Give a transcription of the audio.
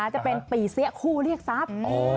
จะเป็นปีเสี้ยคู่เรียกทรัพย์